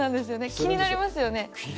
気になりますよ。